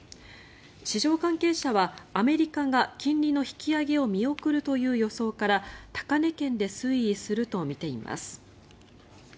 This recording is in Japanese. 市場関係者はアメリカが金利の引き上げを見送るという予想から高値圏で推移するとみています。